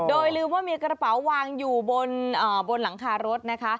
โดยลืมว่ามีกระเป๋าวางอยู่บนหลังคารถนะคะ